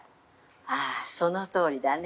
ああ、そのとおりだね。